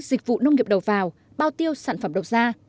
dịch vụ nông nghiệp đầu vào bao tiêu sản phẩm độc gia